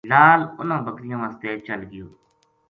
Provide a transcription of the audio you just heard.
لال اُنھاں بکریاں واسطے چل گیو